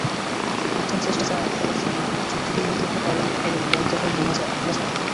অভ্যুত্থানচেষ্টা চলার সময় যুদ্ধবিমান থেকে পার্লামেন্ট ভবনে কয়েক দফায় বোমা হামলা চালানো হয়।